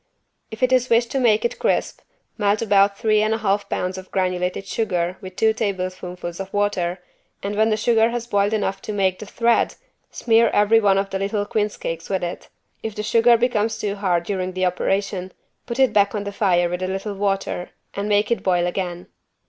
If it is wished to make it crisp, melt about three and a half pounds of granulated sugar with two tablespoonfuls of water and when the sugar has boiled enough to "make the thread" smear every one of the little quince cakes with it. If the sugar becomes too hard during the operation put it back on the fire with a little water and make it boil again.